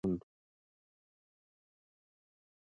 میرویس خان د هوښیارۍ او حکمت خاوند و.